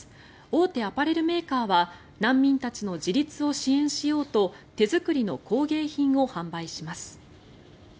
大手アパレルメーカーは難民たちの自立を支援しようと手作りの工芸品を販売します。